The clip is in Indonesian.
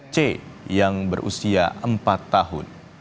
c yang berusia empat tahun